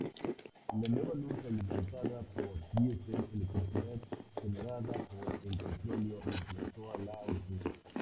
La nueva luz alimentada por diesel-electricidad generada por el petróleo reemplazó a la original.